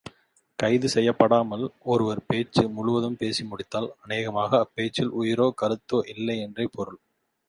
கைது செய்யப்படாமல் ஒருவர் பேச்சு முழுவதும் பேசி முடித்தால், அநேகமாக அப்பேச்சில் உயிரோ கருத்தோ இல்லை என்றே பொருள்.